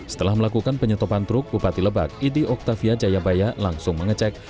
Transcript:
setelah melakukan penyetopan truk bupati lebak idi oktavia jayabaya langsung mengecek